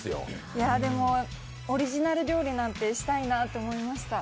オリジナル料理なんて、したいなぁと思いました。